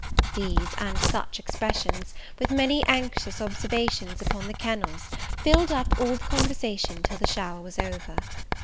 These, and such expressions, with many anxious observations upon the kennels, filled up all the conversation till the shower was over.